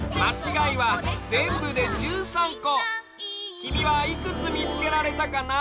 きみはいくつみつけられたかな？